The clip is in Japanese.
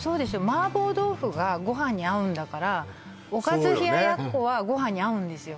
麻婆豆腐がご飯に合うんだからおかず冷奴はご飯に合うんですよ